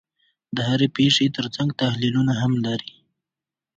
د هرې پېښې ترڅنګ تحلیلونه هم لري.